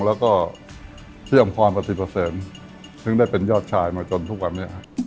แล้วก็เยี่ยมความปฏิเสมซึ่งได้เป็นยอดชายมาจนทุกวันนี้